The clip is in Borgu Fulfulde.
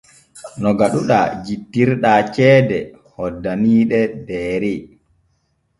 No gaɗuɗaa jittirɗaa ceede hoddaniiɗe Deere.